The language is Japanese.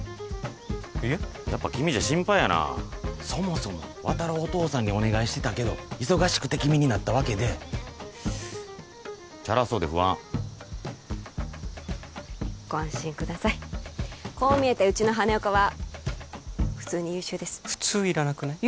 いえやっぱ君じゃ心配やなそもそも綿郎おとうさんにお願いしてたけど忙しくて君になったわけでチャラそうで不安ご安心くださいこう見えてうちの羽根岡は普通に優秀です「普通」いらなくない？